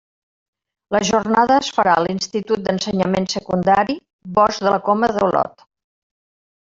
La jornada es farà a l'Institut d'Ensenyament Secundari Bosc de la Coma d'Olot.